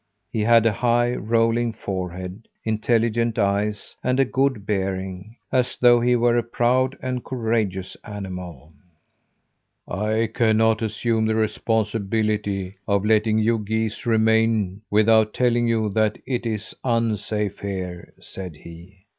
He had a high, rolling forehead, intelligent eyes, and a good bearing as though he were a proud and courageous animal. "I cannot assume the responsibility of letting you geese remain, without telling you that it is unsafe here," said he.